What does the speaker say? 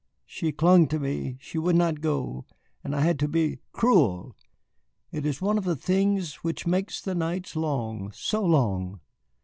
She clung to me, she would not go, and I had to be cruel. It is one of the things which make the nights long so long.